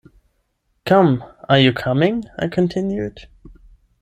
‘Come — are you coming?’ I continued.